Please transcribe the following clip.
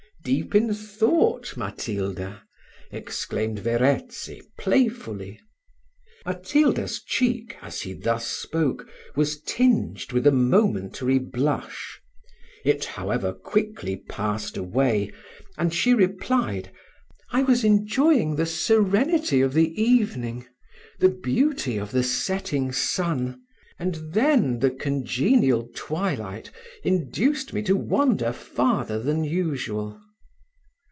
deep in thought, Matilda?" exclaimed Verezzi, playfully. Matilda's cheek, as he thus spoke, was tinged with a momentary blush; it however quickly passed away; and she replied, "I was enjoying the serenity of the evening, the beauty of the setting sun, and then the congenial twilight induced me to wander farther than usual."